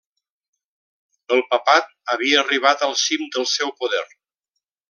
El papat havia arribat al cim del seu poder.